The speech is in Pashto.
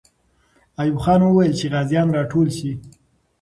ایوب خان وویل چې غازیان راټول سي.